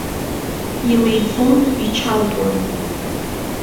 Илеиҵон, ичалтуан.